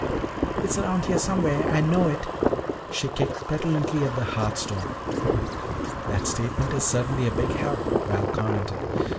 "It's around here somewhere, I know it!" She kicked petulantly at the hearth stone. "That statement is certainly a big help," Val commented.